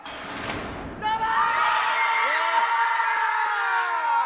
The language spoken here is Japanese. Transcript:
どうも！